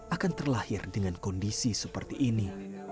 akan terlahir dengan kondisi seperti ini